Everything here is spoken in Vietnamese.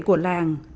của các khách du lịch